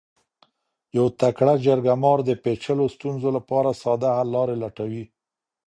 یو تکړه جرګه مار د پیچلو ستونزو لپاره ساده حل لارې لټوي.